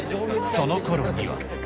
そのころには。